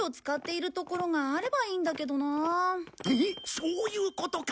そういうことか。